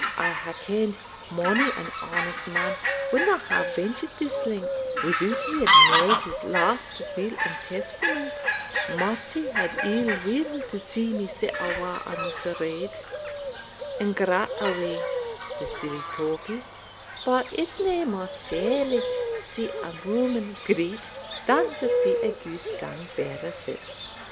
I hae ken'd mony an honest man wadna hae ventured this length without he had made his last will and testament Mattie had ill will to see me set awa' on this ride, and grat awee, the sillie tawpie; but it's nae mair ferlie to see a woman greet than to see a goose gang barefit."